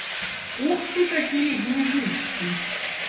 Ух ты, какие деньжищи!